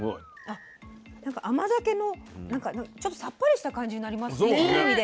甘酒のちょっとさっぱりした感じになりますねいい意味で。